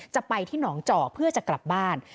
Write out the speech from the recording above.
จะไปที่หนองจอกเพื่อจะกลับบ้าน